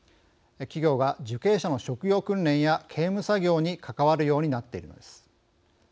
企業が受刑者の職業訓練や刑務作業に関わるようになっているのです。